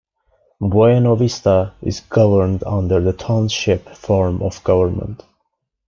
Buena Vista is governed under the Township form of government.